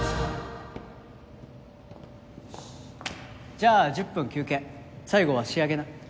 じゃあ１０分休憩最後は仕上げな。